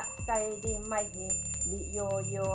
กล้ามความสุขแก่ครับ